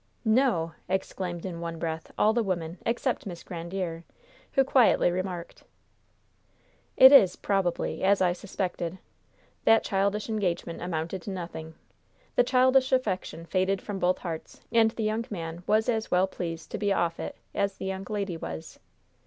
"No!" exclaimed in one breath all the women except Miss Grandiere, who quietly remarked: "It is, probably, as I suspected. That childish engagement amounted to nothing. The childish affection faded from both hearts, and the young man was as well pleased to be off it as the young lady was."